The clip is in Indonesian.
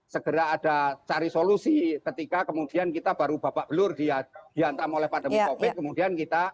segera ada cari solusi ketika kemudian kita baru bapak belur dia diantar oleh pada kemudian kita